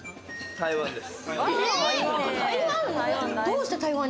台湾です。